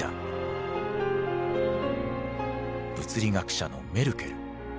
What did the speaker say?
物理学者のメルケル。